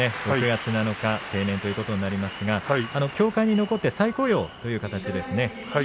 ６月７日、定年ということになりますが協会に残って再雇用ということですね。